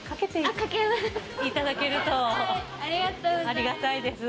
ありがたいです。